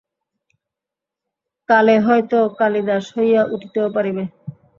কালে হয়তো কালিদাস হইয়া উঠিতেও পারিব।